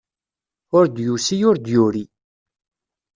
Ur d-yusi ur d-yuri.